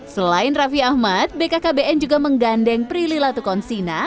selain raffi ahmad bkkbn juga menggandeng prililatukonsina